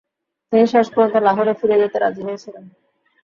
তিনি শেষ পর্যন্ত লাহোরে ফিরে যেতে রাজি হয়েছিলেন।